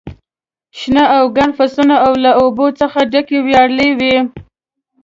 شنه او ګڼ فصلونه او له اوبو څخه ډکې ویالې وې.